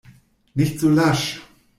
Nicht so lasch!